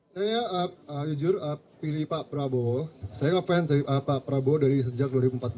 saya jujur pilih pak prabowo saya ngefans pak prabowo dari sejak dua ribu empat belas